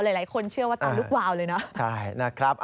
หลายคนเชื่อว่าตอนลูกวาวเลยนะ